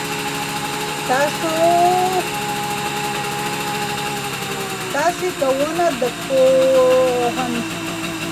تاسو کونه د ټولنپوهنې په علم کې څه تر لاسه کړي؟